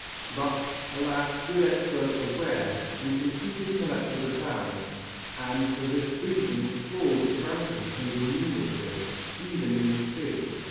But, alas, good experts are rare and conceited collectors abound, and for this reason fraud is rampant and remunerative, even in this field.